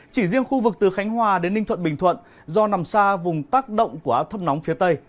chỉ riêng khu vực từ khánh hòa đến ninh thuận bình thuận do nằm xa vùng tác động của áp thấp nóng phía tây